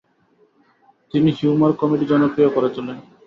তিনি humour comedy জনপ্রিয় করে তোলেন।